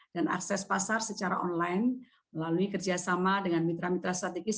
dan akses pasar secara online melalui kerjasama dengan mitra mitra strategis